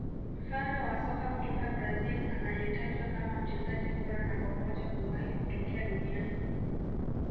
Mfalme wa soka kutoka Brazil anayetajwa kama mchezaji bora namba moja kuwahi kutokea duniani